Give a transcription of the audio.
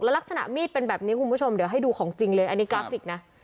ลักษณะมีดเป็นแบบนี้คุณผู้ชมเดี๋ยวให้ดูของจริงเลยอันนี้กราฟิกนะ